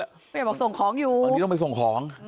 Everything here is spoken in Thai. พระเจมส์บอกส่งของอยู่บางทีต้องไปทรงของ